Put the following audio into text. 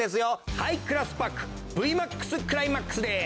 『ハイクラスパックＶＭＡＸクライマックス』です！